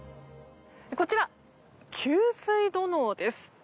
こちら、給水土のうです。